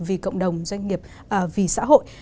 vì cộng đồng doanh nghiệp vì xã hội